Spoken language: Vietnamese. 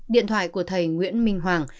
điện thoại của thầy nguyễn minh hoàng